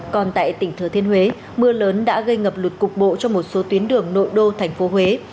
còn tại tỉnh thừa thiên huế mưa lớn đã gây ngập lụt cục bộ cho một số tuyến đường nội đô thành phố huế